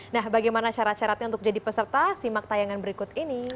nah bagaimana syarat syaratnya untuk jadi peserta simak tayangan berikut ini